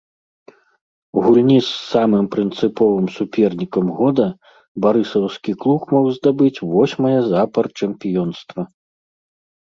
У гульні з самым прынцыповым супернікам года барысаўскі клуб мог здабыць восьмае запар чэмпіёнства.